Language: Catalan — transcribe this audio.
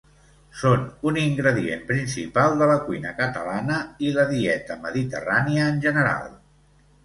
Són un ingredient principal de la cuina catalana i la dieta mediterrània en general.